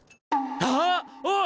あっおい！